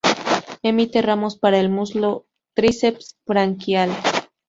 Emite ramos para el músculo tríceps braquial.